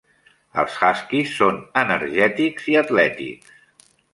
Els huskies són energètics i atlètics.